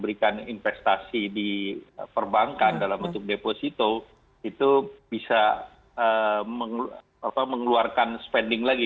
berikan investasi di perbankan dalam bentuk deposito itu bisa mengeluarkan spending lagi